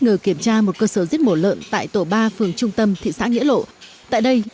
ngờ kiểm tra một cơ sở giết mổ lợn tại tổ ba phường trung tâm thị xã nghĩa lộ tại đây